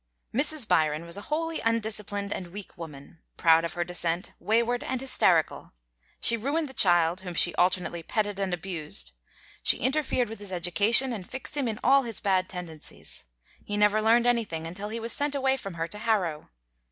Mrs. Byron was a wholly undisciplined and weak woman, proud of her descent, wayward and hysterical. She ruined the child, whom she alternately petted and abused. She interfered with his education and fixed him in all his bad tendencies. He never learned anything until he was sent away from her to Harrow.